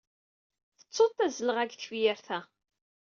Tettuḍ tazelɣa deg tefyirt-a.